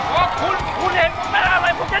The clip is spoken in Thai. เพราะคุณคุณเห็นว่าเป็นอะไร